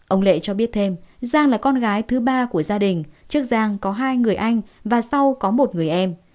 ông lệ cho biết thêm giang là con gái thứ ba của gia đình trước giang có hai người anh và sau có một người em